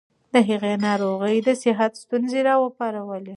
د هغې ناروغي د صحت ستونزې راوپارولې.